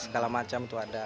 segala macam itu ada